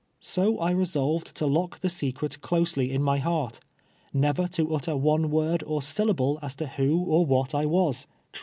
So I re solved to lock the secret closely in my heart — never to utter one word or syllable as to who or what I was 9B T^^^^LTE TEARS A SLAVE.